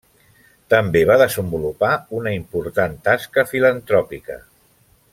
També va desenvolupar una important tasca filantròpica.